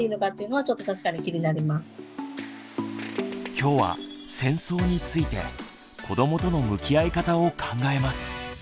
今日は「戦争」について子どもとの向き合い方を考えます。